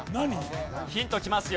ヒントきますよ。